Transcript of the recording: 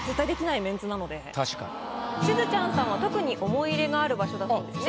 しずちゃんさんは特に思い入れがある場所だそうですね。